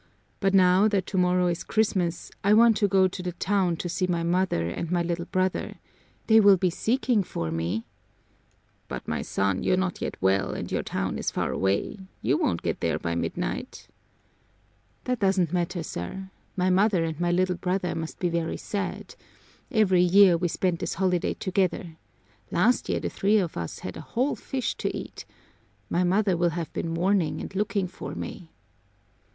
"But now that tomorrow is Christmas I want to go to the town to see my mother and my little brother. They will be seeking for me." "But, my son, you're not yet well, and your town is far away. You won't get there by midnight." "That doesn't matter, sir. My mother and my little brother must be very sad. Every year we spend this holiday together. Last year the three of us had a whole fish to eat. My mother will have been mourning and looking for me."